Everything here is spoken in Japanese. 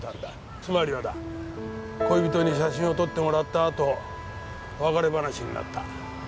つまりはだ恋人に写真を撮ってもらった後別れ話になった。